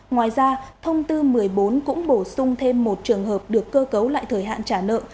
ngoài ra thông tư một mươi bốn cũng bổ sung thêm một trường hợp được cơ cấu lại thời hạn trả nợ